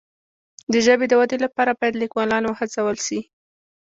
د ژبې د ودي لپاره باید لیکوالان وهڅول سي.